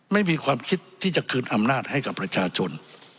ไม่มีความคิดที่จะคืนอำนาจให้กับประชาชน